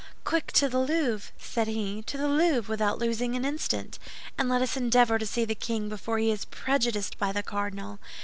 "Quick to the Louvre," said he, "to the Louvre without losing an instant, and let us endeavor to see the king before he is prejudiced by the cardinal.